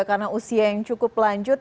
karena usia yang cukup lanjut